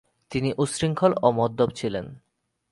তিনি উচ্ছৃঙ্খল ও মদ্যপ ছিলেন।